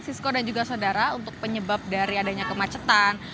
sisko dan juga saudara untuk penyebab dari adanya kemacetan